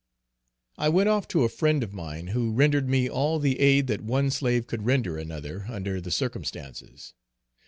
I went off to a friend of mine, who rendered me all the aid that one slave could render another, under the circumstances.